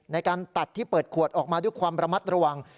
ในการตัดที่เปิดขวดออกมาด้วยความระมัดระวัง